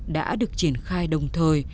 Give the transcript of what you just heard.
đã được triển khai đồng thời